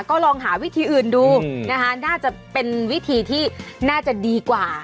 ก็ลองหาวิธีอื่นดูนะคะน่าจะเป็นวิธีที่น่าจะดีกว่า